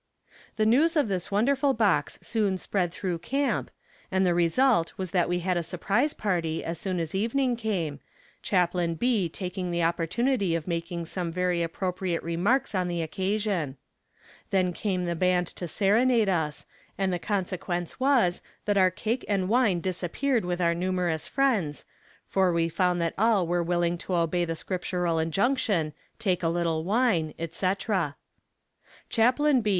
The news of this wonderful box soon spread through camp, and the result was that we had a surprise party as soon as evening came, Chaplain B. taking the opportunity of making some very appropriate remarks on the occasion. Then came the band to serenade us, and the consequence was that our cake and wine disappeared with our numerous friends, for we found that all were willing to obey the scriptural injunction, "Take a little wine," etc. Chaplain B.